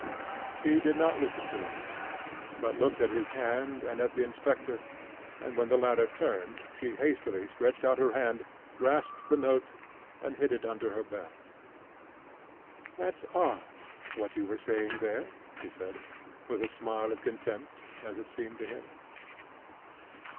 She did not listen to him, but looked at his hand and at the inspector, and when the latter turned she hastily stretched out her hand, grasped the note, and hid it under her belt. "That's odd, what you are saying there," she said, with a smile of contempt, as it seemed to him.